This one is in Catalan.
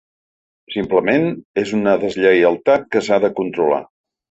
Simplement, és una deslleialtat que s’ha de controlar.